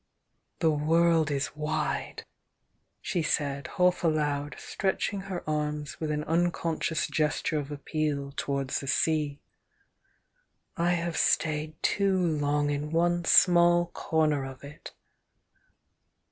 "The world is wide!" she said, half aloud, stretch ing her arms with an unconscious gesture of appeal towards the sea. "I have stayed too long in one small comer of it!"